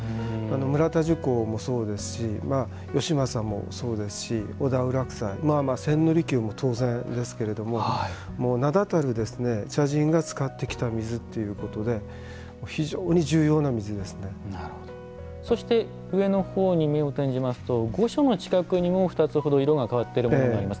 村田珠光もそうですし義政もそうですし織田有楽斎千利休も当然ですけれども名だたる茶人が使ってきた水ということでそして上のほうに目を転じますと御所の近くにも２つ程、色が変わっているものがあります。